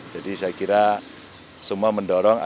jadi saya kira semua mendorong